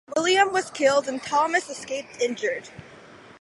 William was killed, and Thomas escaped injured.